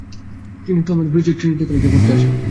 তিনি টকেমব্রিজের ট্রিনিটি কলেজে পরতে আসেন।